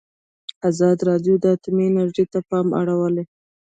ازادي راډیو د اټومي انرژي ته پام اړولی.